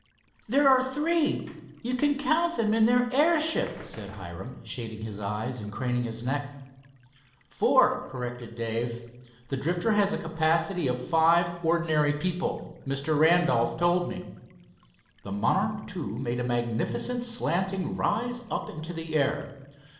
"There are three you can count them in their airship," said Hiram, shading his eyes and craning his neck. "Four," corrected Dave. "The Drifter has a capacity of five ordinary people, Mr. Randolph told me." The Monarch II made a magnificent slanting rise up into the air.